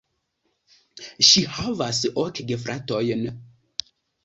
Ŝi havas ok gefratojn.